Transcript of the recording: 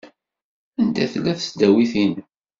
Anda tella tesdawit-nnem?